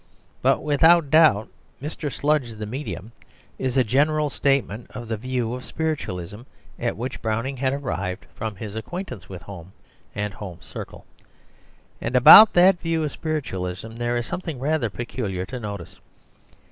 But without doubt "Mr. Sludge the Medium" is a general statement of the view of spiritualism at which Browning had arrived from his acquaintance with Home and Home's circle. And about that view of spiritualism there is something rather peculiar to notice.